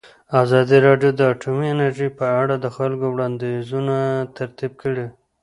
ازادي راډیو د اټومي انرژي په اړه د خلکو وړاندیزونه ترتیب کړي.